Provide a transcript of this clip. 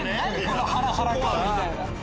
このハラハラ感。